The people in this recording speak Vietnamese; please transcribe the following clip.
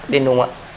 đến đúng ạ